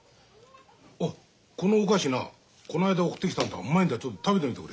おっこのお菓子なこの間送ってきたんだうまいんだちょっと食べてみてくれ。